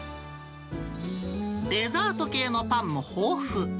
デザート系のパンも豊富。